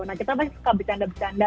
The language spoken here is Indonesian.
nah kita pasti suka bercanda bercanda